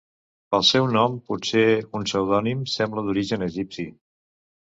Pel seu nom, potser un pseudònim, sembla d'origen egipci.